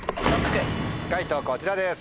解答こちらです。